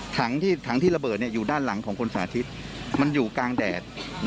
ถังที่ระเบิดอยู่ด้านหลังของคุณสาธิตมันอยู่กลางแดด